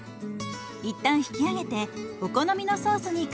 一旦引き上げてお好みのソースにからめましょう。